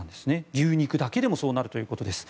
牛肉だけでもそうなるということです。